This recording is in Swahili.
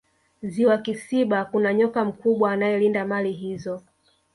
ziwa kisiba kuna nyoka mkubwa anaelinda mali hizo